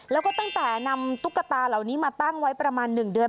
แล้วก็ตั้งแต่นำตุ๊กตาเหล่านี้มาตั้งไว้ประมาณ๑เดือน